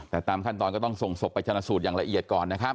แต่ตามขั้นตอนก็ต้องส่งศพไปชนะสูตรอย่างละเอียดก่อนนะครับ